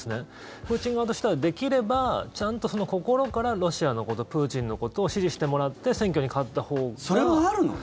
プーチン側としては、できればちゃんと心からロシアのこと、プーチンのことを支持してもらってそれはあるのね。